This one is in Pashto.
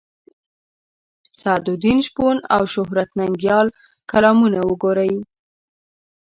د سعدالدین شپون او شهرت ننګیال کالمونه وګورئ.